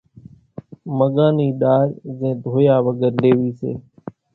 مڳان ني ڏار زين ڌويا وڳرِ ليوي سي